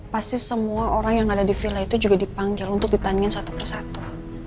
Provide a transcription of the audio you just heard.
pasti semua orang yang ada di villa itu juga dipanggil untuk ditandingin satu persatu